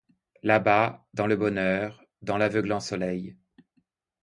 Là-bas, dans le bonheur, dans l'aveuglant soleil.